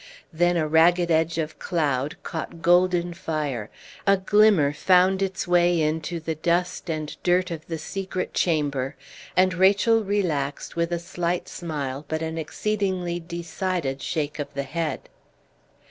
Then a ragged edge of cloud caught golden fire, a glimmer found its way into the dust and dirt of the secret chamber, and Rachel relaxed with a slight smile but an exceedingly decided shake of the head.